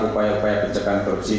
upaya upaya pencakan korupsi